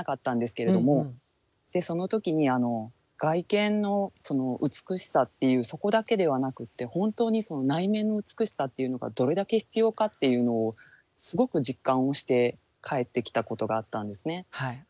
でその時に外見の美しさっていうそこだけではなくって本当に内面の美しさっていうのがどれだけ必要かっていうのをすごく実感をして帰ってきたことがあったんですね。